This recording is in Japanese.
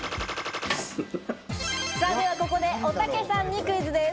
ではここでおたけさんにクイズです。